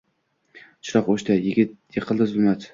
Chiroq o‘chdi. Yiqildi zulmat